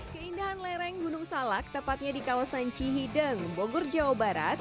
keindahan lereng gunung salak tepatnya di kawasan cihideng bogor jawa barat